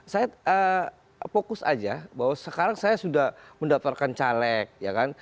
saya fokus aja bahwa sekarang saya sudah mendaftarkan caleg ya kan